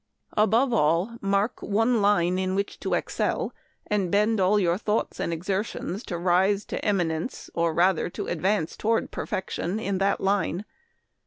Above all, mark one line in which to excel, and bend all your thoughts and exertions to rise to eminence, or rather to ad vance toward perfection, in that line.